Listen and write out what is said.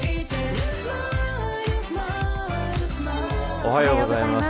おはようございます。